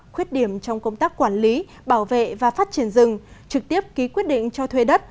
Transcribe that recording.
khuyết điểm trong công tác quản lý bảo vệ và phát triển rừng trực tiếp ký quyết định cho thuê đất